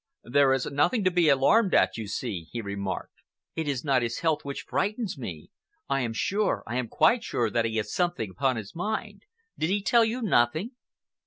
"There is nothing to be alarmed at, you see," he remarked. "It is not his health which frightens me. I am sure—I am quite sure that he has something upon his mind. Did he tell you nothing?"